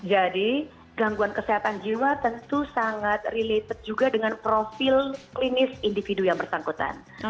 jadi gangguan kesehatan jiwa tentu sangat related juga dengan profil klinis individu yang bersangkutan